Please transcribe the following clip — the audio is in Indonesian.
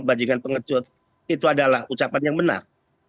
bajingan pengecut itu adalah ucapan yang benar